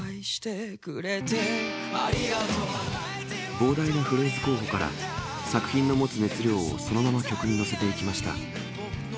膨大なフレーズ候補から、作品の持つ熱量をそのまま曲に乗せていきました。